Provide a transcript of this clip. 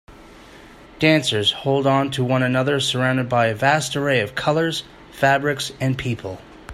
Dancers hold on to one another surrounded by a vast array of colors, fabrics and people.